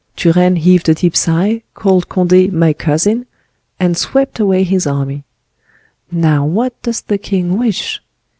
Turenne heaved a deep sigh, called Conde 'My cousin,' and swept away his army. Now what does the king wish?